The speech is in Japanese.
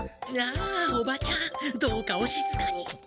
あおばちゃんどうかおしずかに。